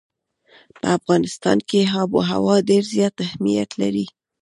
په افغانستان کې آب وهوا ډېر زیات اهمیت لري.